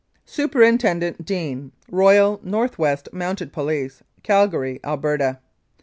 Superintendent DEANE, Royal North West Mounted Police, Calgary, Alberta.